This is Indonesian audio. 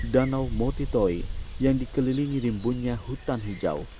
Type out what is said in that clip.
danau motitoi yang dikelilingi rimbunnya hutan hijau